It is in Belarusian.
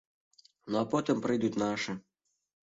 Ну а потым прыйдуць нашы.